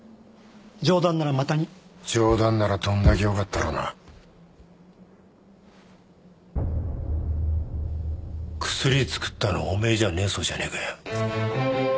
冗談ならまたに冗談ならどんだけよかったろうな薬作ったのおめぇじゃねぇそうじゃねぇかよ